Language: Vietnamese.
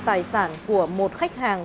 tài sản của một khách hàng